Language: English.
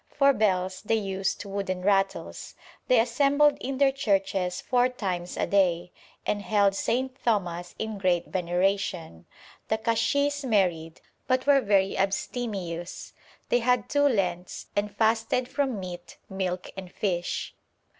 For bells they used wooden rattles. They assembled in their churches four times a day, and held St. Thomas in great veneration. The kashis married, but were very abstemious. They had two Lents, and fasted from meat, milk, and fish.'